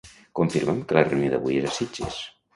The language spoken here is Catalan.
Confirma'm que la reunió d'avui és a Sitges.